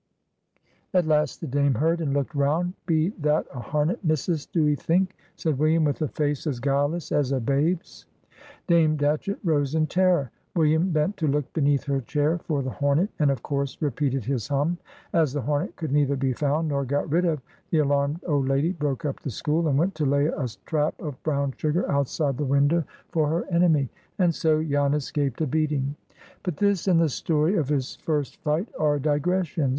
At last the Dame heard, and looked round. "Be that a harnet, missus, do 'ee think?" said William, with a face as guileless as a babe's. Dame Datchett rose in terror. William bent to look beneath her chair for the hornet, and of course repeated his hum. As the hornet could neither be found nor got rid of, the alarmed old lady broke up the school, and went to lay a trap of brown sugar outside the window for her enemy. And so Jan escaped a beating. But this and the story of his first fight are digressions.